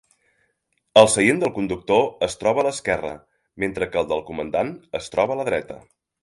El seient del conductor es troba a l'esquerra, mentre que el del comandant es troba a la dreta.